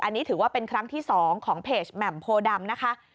อันนี้ถือว่าเป็นครั้งที่๒ของเพจแหม่มโพดำนะคะ